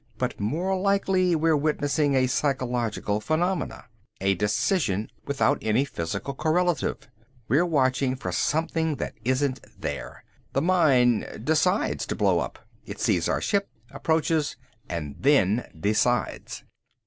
But more likely we're witnessing a psychological phenomena, a decision without any physical correlative. We're watching for something that isn't there. The mine decides to blow up. It sees our ship, approaches, and then decides."